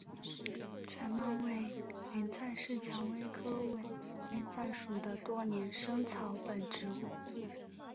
腺毛委陵菜是蔷薇科委陵菜属的多年生草本植物。